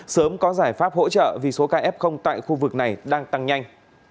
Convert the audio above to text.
sớm có giải pháp hỗ trợ vì số kf tại khu vực này đang tăng nhanh